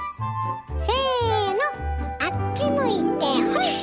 せのあっち向いてホイ！